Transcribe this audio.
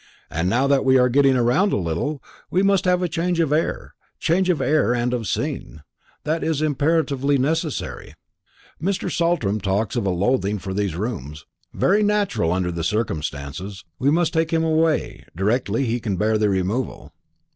"And now that we are getting round a little, we must have change of air change of air and of scene; that is imperatively necessary. Mr. Saltram talks of a loathing for these rooms; very natural under the circumstances. We must take him away directly he can bear the removal."